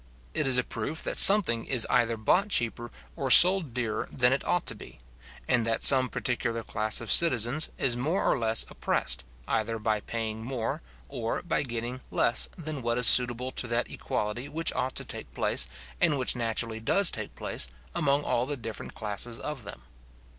It is a proof that something is either bought cheaper or sold dearer than it ought to be, and that some particular class of citizens is more or less oppressed, either by paying more, or by getting less than what is suitable to that equality which ought to take place, and which naturally does take place, among all the different classes of them.